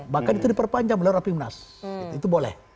bahkan itu diperpanjang melalui rapimnas itu boleh